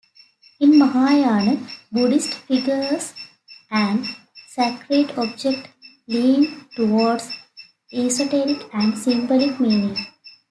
In Mahayana, Buddhist figures and sacred objects leaned towards esoteric and symbolic meaning.